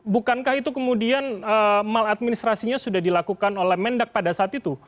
bukankah itu kemudian maladministrasinya sudah dilakukan oleh mendak pada saat itu